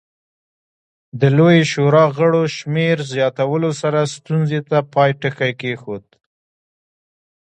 د لویې شورا غړو شمېر زیاتولو سره ستونزې ته پای ټکی کېښود.